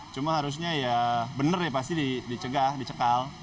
cuma harusnya ya benar ya pasti dicegah dicekal